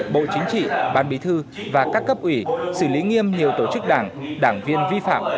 bộ chính trị ban bí thư và các cấp ủy xử lý nghiêm nhiều tổ chức đảng đảng viên vi phạm